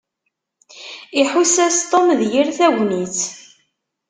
Iḥuss-as Tom d yir tagnit.